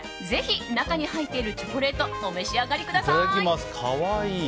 ぜひ中に入っているチョコレートお召し上がりください。